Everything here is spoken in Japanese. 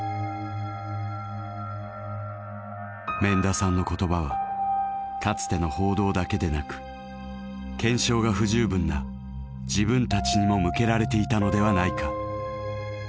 免田さんの言葉はかつての報道だけでなく検証が不十分な自分たちにも向けられていたのではないか。